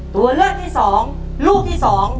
ตัวเลือกที่๒ลูกที่๒